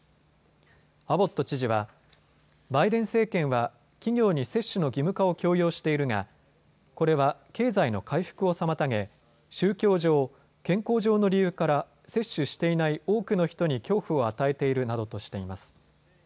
アボット知事は、バイデン政権は企業に接種の義務化を強要しているがこれは経済の回復を妨げ宗教上、健康上の理由から接種していない多くの人に恐怖を与えているなどとしています。